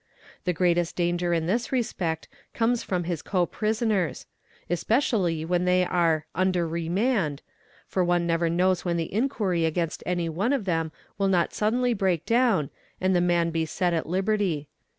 The greatest danger in this respect comes from his co prisoners ; especially when they are " under : remand," for one never knows when the inquiry against any one of them _ will not suddenly break down and the man be set at hberty.